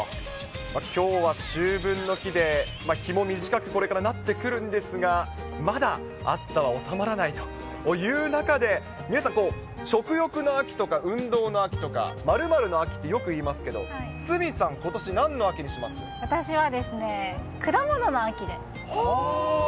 きょうは秋分の日で、日も短く、これからなってくるんですが、まだ暑さは収まらないという中で、皆さん、食欲の秋とか、運動の秋とか、○○の秋ってよく言いますけど、鷲見さん、ことし、私はですね、果物の秋で。